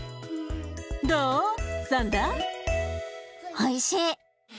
おいしい。